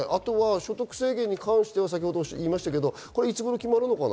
所得制限に関しては先ほども言いましたが、いつごろ決まるのかな？